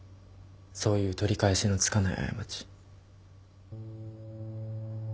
そういう取り返しのつかない過ち。